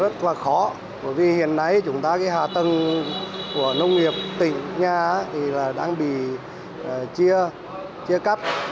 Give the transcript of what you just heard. cây trồng của nông nghiệp tỉnh nha đang bị chia cắt